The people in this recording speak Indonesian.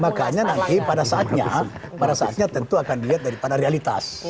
makanya nanti pada saatnya pada saatnya tentu akan dilihat daripada realitas